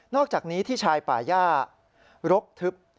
อกจากนี้ที่ชายป่าย่ารกทึบ